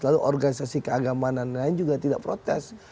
lalu organisasi keagaman lain juga tidak protes